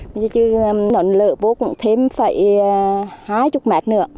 bây giờ chứ nó lỡ vô cũng thêm phải hai mươi mét nữa